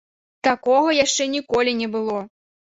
Такога яшчэ ніколі не было!